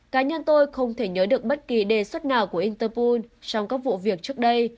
cá nhân tôi không thể nhớ được bất kỳ đề xuất nào của interpol trong các vụ việc trước đây